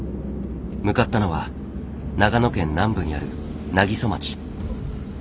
向かったのは長野県南部にある南木曽町。